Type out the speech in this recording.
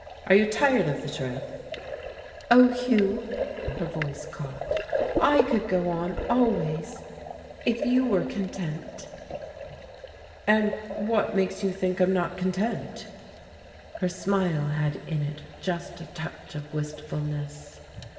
"Are you tired of the trip?" "Oh, Hugh!" Her voice caught. "I could go on, always, if you were content." "And what makes you think that I'm not content?" Her smile had in it just a touch of wistfulness.